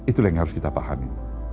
itulah yang harus kita pahami